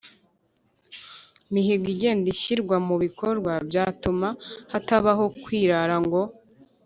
mihigo igenda ishyirwa mu bikorwa. Byatuma hatabaho kwirara ngo